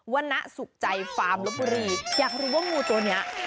วนะสุขใจฟาร์มลบบุรีอยากรู้ว่างูตัวเนี้ย